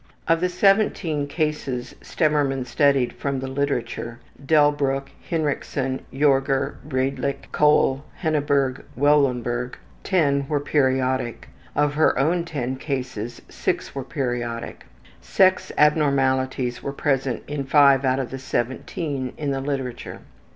Of the 17 cases Stemmermann studied from the literature (Delbruck, Hinrichsen, Jorger, Redlich, Koelle, Henneberg , Wellenbergh) 10 were periodic. Of her own 10 cases, 6 were periodic. Sex abnormalities were present in 5 out of the 17 in the literature.